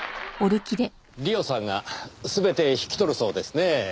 リオさんが全て引き取るそうですねぇ。